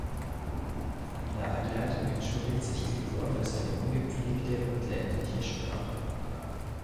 In der Einleitung entschuldigt sich Gregor für seine „ungepflegte“ und „ländliche“ Sprache.